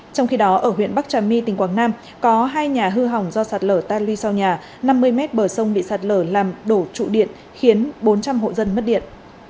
trong khi đó ở huyện bắc trà my tỉnh quảng nam có hai nhà hư hỏng do sạt lở tan luy sau nhà năm mươi m bờ sông bị sạt lở làm đổ trụ điện khiến bốn trăm linh hộ dân mất điện